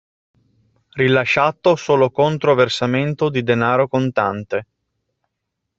Rilasciato solo contro versamento di denaro contante.